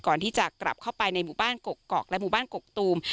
ก่อนที่จะกลับเข้าไปในหมู่บ้านกกอกและหมู่บ้านกกตูม